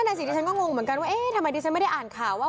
ในสิ่งที่ฉันก็งงเหมือนกันว่าทำไมที่ฉันไม่ได้อ่านข่าวว่า